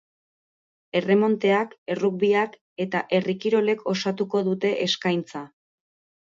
Erremonteak, errugbiak eta herri kirolek osatuko dute eskaintza.